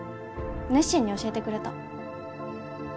熱心に教えてくれた。